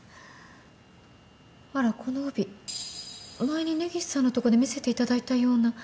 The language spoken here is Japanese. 前に根岸さんのとこで見せていただいたような。